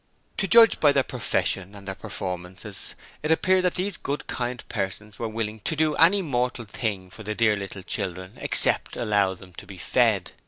To judge them by their profession and their performances, it appeared that these good kind persons were willing to do any mortal thing for the 'dear little children' except allow them to be fed.